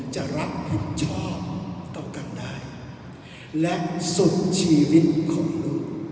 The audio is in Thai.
จะรับผิดชอบต่อกันได้และสุดชีวิตของลูก